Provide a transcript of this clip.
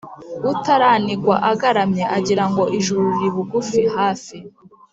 Utaranigwa agaramye agira ngo ijuru riri bugufi (hafi).